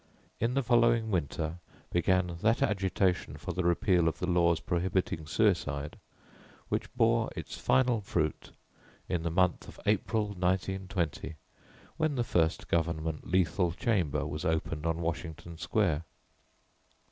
In the following winter began that agitation for the repeal of the laws prohibiting suicide which bore its final fruit in the month of April, 1920, when the first Government Lethal Chamber was opened on Washington Square.